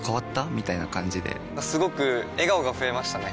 みたいな感じですごく笑顔が増えましたね！